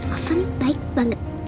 ovan baik banget